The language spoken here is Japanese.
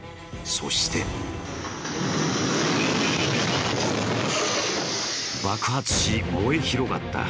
そして爆発し、燃え広がった。